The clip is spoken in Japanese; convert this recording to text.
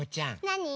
なに？